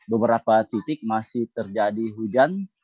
beberapa titik masih terjadi hujan